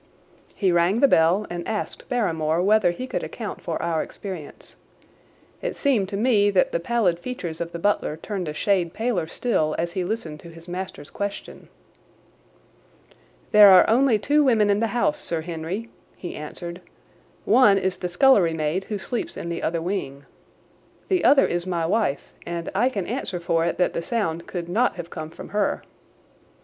He rang the bell and asked Barrymore whether he could account for our experience. It seemed to me that the pallid features of the butler turned a shade paler still as he listened to his master's question. "There are only two women in the house, Sir Henry," he answered. "One is the scullery maid, who sleeps in the other wing. The other is my wife, and I can answer for it that the sound could not have come from her."